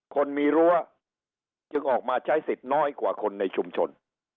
คนมีรั้วจึงออกมาใช้สิทธิ์น้อยกว่าคนในชุมชน